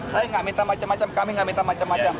saya nggak minta macam macam kami nggak minta macam macam